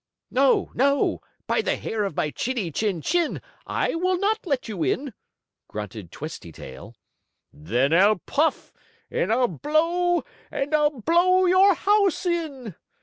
"No! No! By the hair of my chinny chin chin, I will not let you in!" grunted Twisty Tail. "Then I'll puff and I'll blow, and I'll blow your house in!"